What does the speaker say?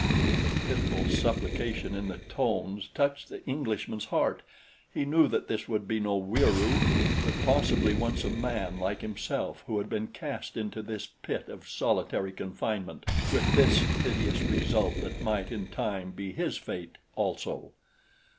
The pitiful supplication in the tones touched the Englishman's heart. He knew that this could be no Wieroo, but possibly once a man like himself who had been cast into this pit of solitary confinement with this hideous result that might in time be his fate, also.